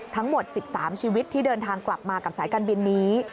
ทั้งหมด๑๓ชีวิตที่เดินทางกลับมากับสายการบินนี้